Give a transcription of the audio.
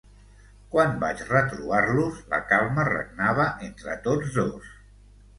Quan vaig retrobar-los, la calma regnava entre tots dos.